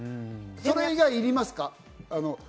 それ以外いりますか？